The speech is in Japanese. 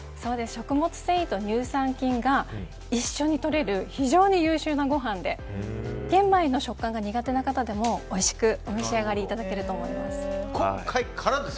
食物繊維と乳酸菌が一緒にとれる非常に優秀なご飯で玄米の食感が苦手な方でもおいしくお召し上がりいただけると思います。